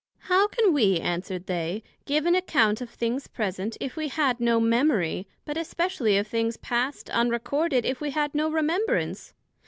How can we, answered they, give an account of things present, if we had no Memory, but especially of things past, unrecorded, if we had no Remembrance?